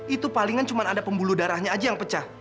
itu palingan cuma ada pembuluh darahnya aja yang pecah